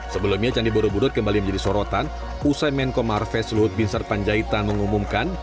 sebelumnya candi borobudur kembali menjadi sorotan usai menko marves luhut bin sarpanjaitan mengumumkan